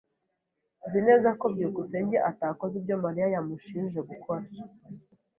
[S] Nzi neza ko byukusenge atakoze ibyo Mariya yamushinje gukora.